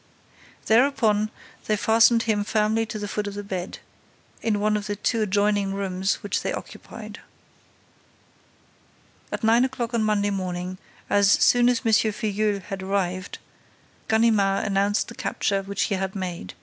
Thereupon, they fastened him firmly to the foot of a bed, in one of the two adjoining rooms which they occupied. At nine o'clock on Monday morning, as soon as M. Filleul had arrived, Ganimard announced the capture which he had made.